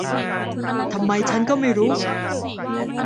ทำไมฉันก็ไม่รู้